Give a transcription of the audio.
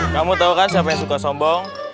kamu tau kan siapa yang suka sombong